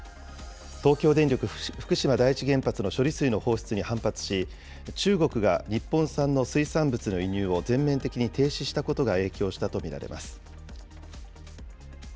東京電力福島第一原発の処理水の放出に反発し、中国が日本産の水産物の輸入を全面的に停止したことが影響したと見られます。